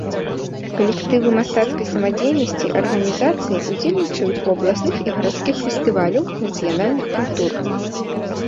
Калектывы мастацкай самадзейнасці арганізацыі ўдзельнічаюць у абласных і гарадскіх фестываляў нацыянальных культур.